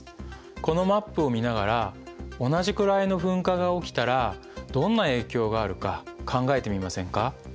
このマップを見ながら同じくらいの噴火が起きたらどんな影響があるか考えてみませんか？